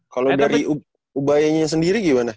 kalau dari ubayanya sendiri gimana